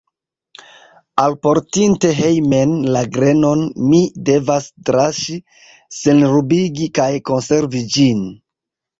Alportinte hejmen la grenon, mi devas draŝi, senrubigi kaj konservi ĝin.